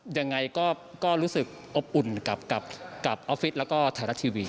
ยังไงก็รู้สึกอบอุ่นกับออฟฟิศแล้วก็ไทยรัฐทีวี